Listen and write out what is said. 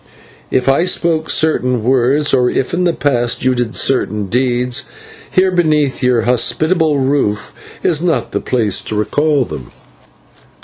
If I spoke certain words, or if in the past you did certain deeds, here beneath your hospitable roof is not the place to recall them."